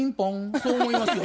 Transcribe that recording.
そう思いますよね。